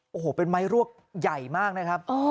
โอ้โหเป็นไม้รวกใหญ่มากนะครับ